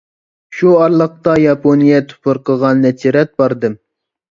شۇ ئارىلىقتا ياپونىيە تۇپرىقىغا نەچچە رەت باردىم.